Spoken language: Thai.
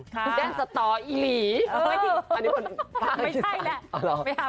ค่ะพี่แจ้งสตออีหลีเอออันนี้คนไม่ใช่แหละอ๋อเหรอ